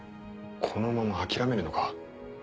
このまま諦めるのか？